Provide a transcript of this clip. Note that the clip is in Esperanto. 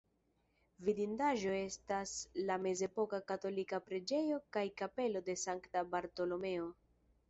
Vidindaĵo estas la mezepoka katolika preĝejo kaj kapelo de Sankta Bartolomeo.